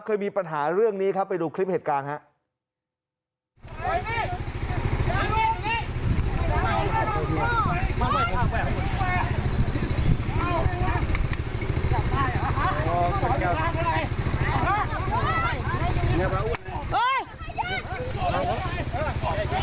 เคยมีปัญหาเรื่องนี้ครับไปดูคลิปเหตุการณ์ครับ